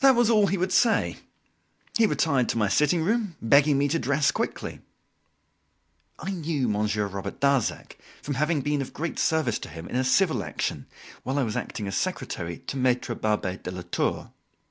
That was all he would say. He retired to my sitting room, begging me to dress quickly. I knew Monsieur Robert Darzac from having been of great service to him in a civil action, while I was acting as secretary to Maitre Barbet Delatour.